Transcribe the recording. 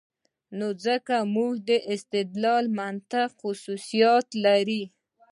نو ځکه زموږ استدلال منطقي خصوصیت لري.